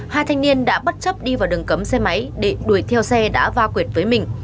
hai thanh niên đã bất chấp đi vào đường cấm xe máy để đuổi theo xe đã va quyệt với mình